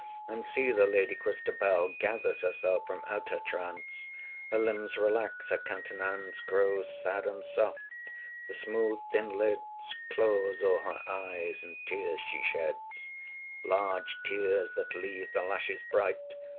310 And see! the lady Christabel Gathers herself from out her trance; Her limbs relax, her countenance Grows sad and soft; the smooth thin lids Close o'er her eyes; and tears she sheds 315 Large tears that leave the lashes bright!